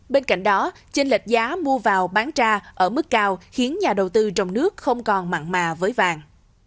bên cạnh đó trên lệch giá mua vào bán ra ở mức cao khiến nhà đầu tư trong nước không còn mặn mà với vàng